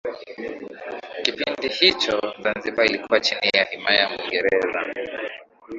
Kipindi hicho Zanzibar ilikuwa chini ya himaya ya muingereza